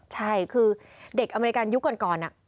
ใช่คือเด็กอเมริกันยุคก่อน